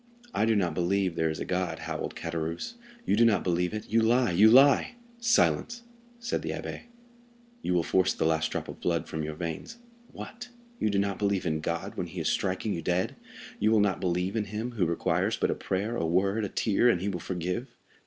"I do not believe there is a God," howled Caderousse; "you do not believe it; you lie—you lie!" "Silence," said the abbé; "you will force the last drop of blood from your veins. What! you do not believe in God when he is striking you dead? you will not believe in him, who requires but a prayer, a word, a tear, and he will forgive?